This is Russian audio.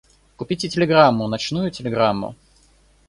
Купите телеграмму — ночную телеграмму!